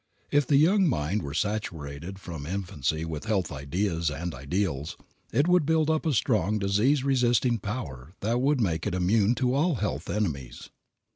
If the young mind were saturated from infancy with health ideas and ideals it would build up a strong disease resisting power that would make it immune to all health enemies.